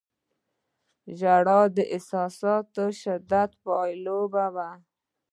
• ژړا د احساساتو د شدت پایله وي.